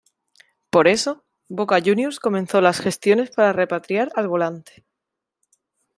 Por eso, Boca Juniors comenzó las gestiones para repatriar al volante.